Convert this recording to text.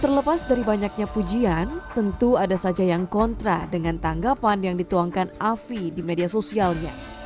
terlepas dari banyaknya pujian tentu ada saja yang kontra dengan tanggapan yang dituangkan afi di media sosialnya